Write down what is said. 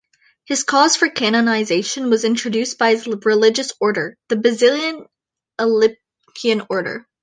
His cause for canonization was introduced by his religious order, the Basilian Alepian Order.